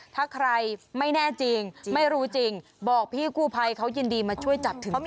ถ้าใครไม่แน่จริงไม่รู้จริงบอกพี่กู้ภัยเขายินดีมาช่วยจับถึงตัว